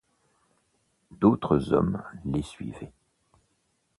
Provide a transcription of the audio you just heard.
D'autres hommes les suivaient.